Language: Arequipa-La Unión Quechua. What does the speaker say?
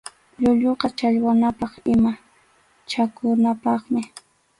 Llukuqa challwanapaq ima chakunapaqmi.